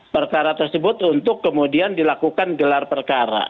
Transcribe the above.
perkara tersebut untuk kemudian dilakukan gelar perkara